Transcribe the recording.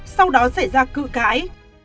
sau đó xảy ra cự cãi